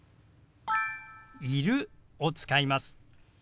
「いる」を使います。